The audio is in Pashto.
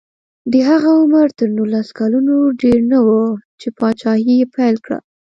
د هغه عمر تر نولس کلونو ډېر نه و چې پاچاهي یې پیل کړه.